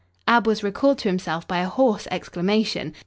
Ab was recalled to himself by a hoarse exclamation.